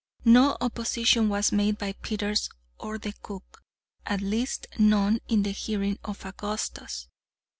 No opposition was made by Peters or the cook—at least none in the hearing of Augustus.